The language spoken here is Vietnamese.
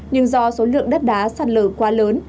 nhưng do số lượng đất đá sạt lở quá lớn